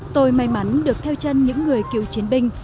tôi may mắn được theo chân những người cựu chiến binh